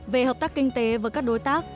về hợp tác kinh tế với các đối tác